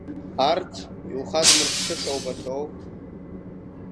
Арҭ иухадмыршҭыша убахьоу?